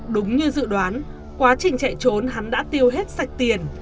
đúng như dự đoán quá trình chạy trốn hắn đã tiêu hết sạch tiền